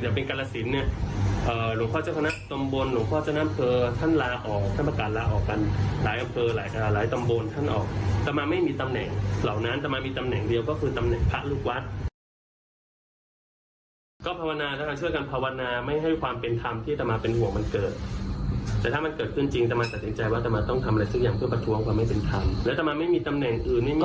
หรือว่ามันไม่มีตำแหน่งอื่นไม่มีอะไรอื่น